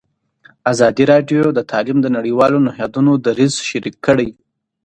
ازادي راډیو د تعلیم د نړیوالو نهادونو دریځ شریک کړی.